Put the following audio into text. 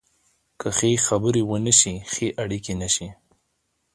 که ښه خبرې ونه شي، ښه اړیکې نشي